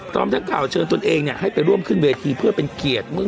ตอนเจ้าก่อเชิญตัวเองนี่ให้ไปร่วมขึ้นเวทีเพื่อเป็นเกียรติ